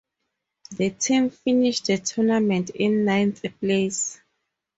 The team finished the tournament in ninth place.